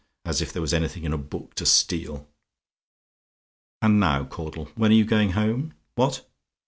As if there was anything in a book to steal! "And now, Caudle, when are you going home? What?